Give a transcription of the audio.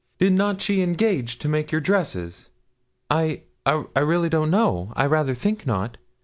Did not she engage to make your dresses?' 'I I really don't know; I rather think not.